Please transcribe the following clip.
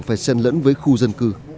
phải sen lẫn với khu dân cư